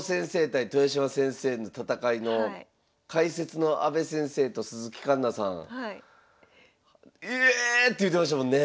対豊島先生の戦いの解説の阿部先生と鈴木環那さんええ！って言うてましたもんね。